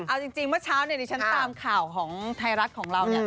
เอาจริงเมื่อเช้าเนี่ยดิฉันตามข่าวของไทยรัฐของเราเนี่ย